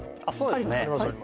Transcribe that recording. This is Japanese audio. あっそうですね